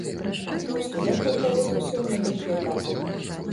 Адбор студэнтаў праводзіўся ў некалькі этапаў.